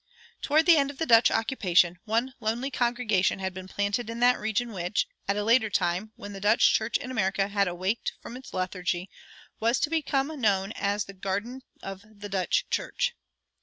Toward the end of the Dutch occupation, one lonely congregation had been planted in that region which, at a later time, when the Dutch church in America had awaked from its lethargy, was to become known as "the garden of the Dutch church."